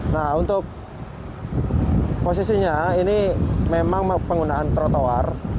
nah untuk posisinya ini memang penggunaan trotoar